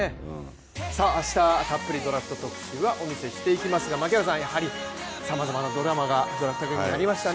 明日、たっぷりドラフト特集はお見せしていきますが、やはりさまざまなドラマがドラフト会議、ありましたね。